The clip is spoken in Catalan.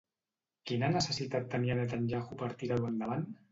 Quina necessitat tenia Netanyahu per tirar-ho endavant?